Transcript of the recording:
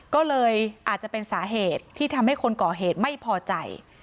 ก็เลยอาจจะเป็นสาเหตุที่ทำให้คนก่อเหตุไม่พอใจ